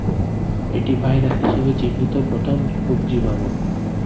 এটি ভাইরাস হিসাবে চিহ্নিত প্রথম রোগজীবাণু।